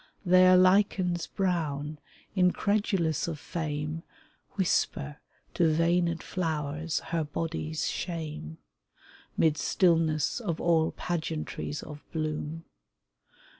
There lichens brown, incredulous of fame, Whisper to veined flowers her body's shame, 'Mid stillness of all pageantries of bloom.